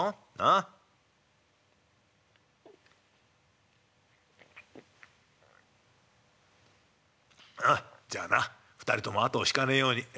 「ああじゃあな２人ともあとを引かねえように。